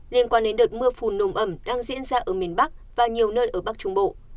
liên quan đến đợt mưa phùn nồm ẩm đang diễn ra ở miền bắc và nhiều nơi ở bắc trung bộ